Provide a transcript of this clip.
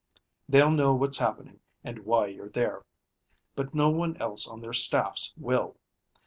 They'll know what's happening and why you're there, but no one else on their staffs will.